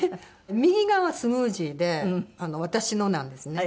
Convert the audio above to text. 右側がスムージーで私のなんですね。